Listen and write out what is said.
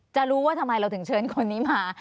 รู้ว่าทำไมเราถึงเชิญคนนี้มา